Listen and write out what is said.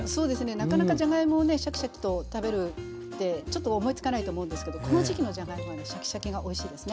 なかなかじゃがいもをねシャキシャキと食べるってちょっと思いつかないと思うんですけどこの時期のじゃがいもはねシャキシャキがおいしいですね。